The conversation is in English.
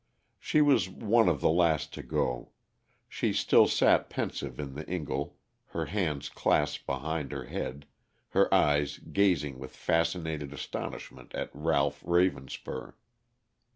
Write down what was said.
She was one of the last to go. She still sat pensive in the ingle, her hands clasped behind her head, her eyes gazing with fascinated astonishment at Ralph Ravenspur.